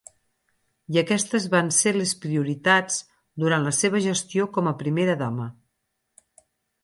I aquestes van ser les prioritats durant la seva gestió com a primera dama.